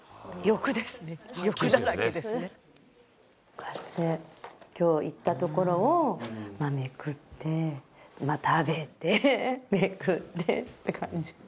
こうやって今日行った所をめくって食べてめくってって感じ。